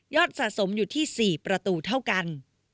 สะสมอยู่ที่๔ประตูเท่ากัน